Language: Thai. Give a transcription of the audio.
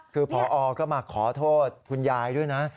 คือพอก็มาขอโทษคุณยายด้วยนะ